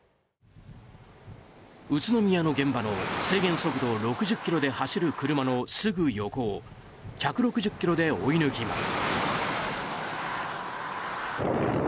宇都宮の現場の制限速度６０キロで走る車のすぐ横を１６０キロで追い抜きます。